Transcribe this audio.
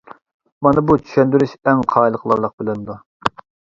ماڭا بۇ چۈشەندۈرۈش ئەڭ قايىل قىلارلىق بىلىندۇ.